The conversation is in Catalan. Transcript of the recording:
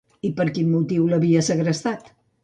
I per quin motiu l'havia segrestat?